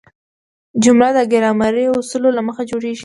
جمله د ګرامري اصولو له مخه جوړیږي.